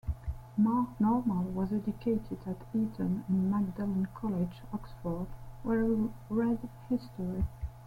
Mark Norman was educated at Eton and Magdalen College, Oxford, where he read history.